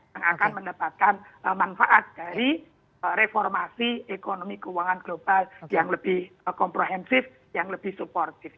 yang akan mendapatkan manfaat dari reformasi ekonomi keuangan global yang lebih komprehensif yang lebih suportif